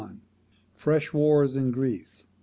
Fresh wars in Greece.